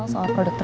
menjadi lawan nino